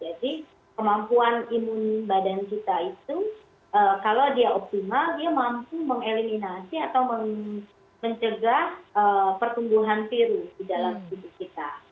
jadi kemampuan imun badan kita itu kalau dia optimal dia mampu mengeliminasi atau mencegah pertumbuhan virus di dalam hidup kita